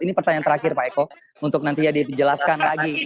ini pertanyaan terakhir pak eko untuk nantinya dijelaskan lagi